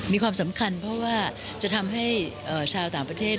มีความสำคัญเพราะว่าจะทำให้ชาวต่างประเทศ